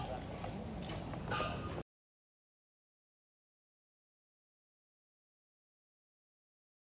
สวัสดีครับสวัสดีครับ